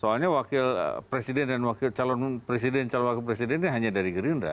soalnya wakil presiden dan calon wakil presidennya hanya dari gerindra